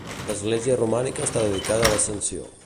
L'església romànica està dedicada a l'ascensió.